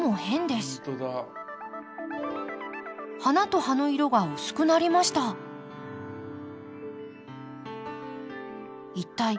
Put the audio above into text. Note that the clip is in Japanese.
花と葉の色が薄くなりました。